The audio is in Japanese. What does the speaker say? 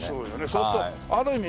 そうするとある意味